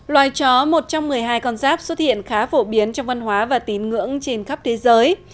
loài chó một trong một mươi hai con giáp xuất hiện khá phổ biến trong văn hóa và tín ngưỡng trên khắp thế giới